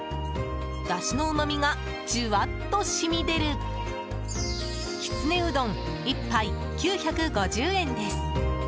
だしのうまみがじゅわっと染み出るきつねうどん、１杯９５０円です。